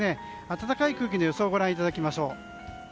暖かい空気の予想をご覧いただきましょう。